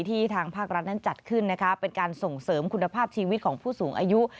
ทางภาครัฐนั้นจัดขึ้นนะคะเป็นการส่งเสริมคุณภาพชีวิตของผู้สูงอายุ